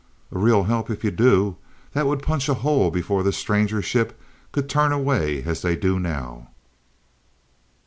"A real help, if you do. That would punch a hole before the Stranger ship could turn away as they do now."